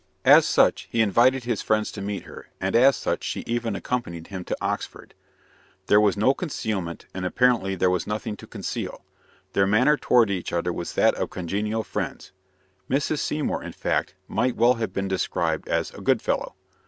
As such, he invited his friends to meet her, and as such, she even accompanied him to Oxford. There was no concealment, and apparently there was nothing to conceal. Their manner toward each other was that of congenial friends. Mrs. Seymour, in fact, might well have been described as "a good fellow."